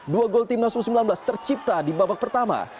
dua gol timnas u sembilan belas tercipta di babak pertama